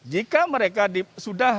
jika mereka sudah